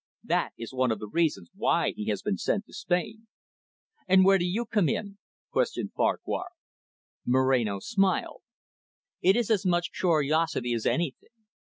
That is one of the reasons why he has been sent to Spain." "And where do you come in?" questioned Farquhar. Moreno smiled. "It is as much curiosity as anything.